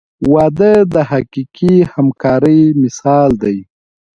• واده د حقیقي همکارۍ مثال دی.